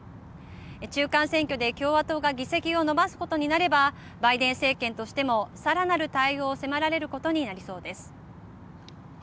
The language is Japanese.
中間選挙で共和党が議席を伸ばすことになればバイデン政権としてもさらなる対応を迫られることになりそうです。